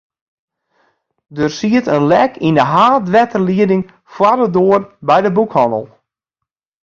Der siet in lek yn de haadwetterlieding foar de doar by de boekhannel.